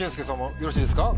よろしいですか？